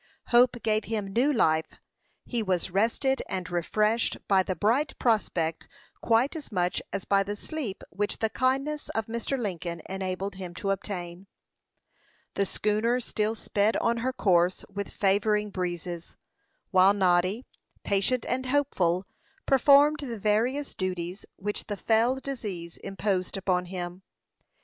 Hope gave him new life. He was rested and refreshed by the bright prospect quite as much as by the sleep which the kindness of Mr. Lincoln enabled him to obtain. The schooner still sped on her course with favoring breezes; while Noddy, patient and hopeful, performed the various duties which the fell disease imposed upon him.